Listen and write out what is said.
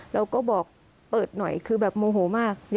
เราก็บอกเปิดหน่อยคือแบบโมโหมาก